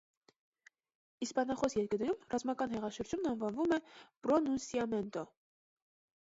Իսպանախոս երկրներում ռազմական հեղաշրջումն անվանվում է «պռոնունսիամենտո»։